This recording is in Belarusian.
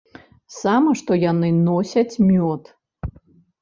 Сама што яны носяць мёд.